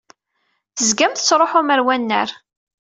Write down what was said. Tezgam tettṛuḥum ar wannar.